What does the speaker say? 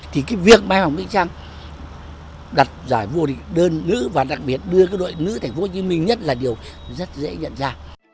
thì cái việc mai hoàng mỹ trang đặt giải vô địch đơn nữ và đặc biệt đưa đội nữ tp hcm nhất là điều rất dễ nhận ra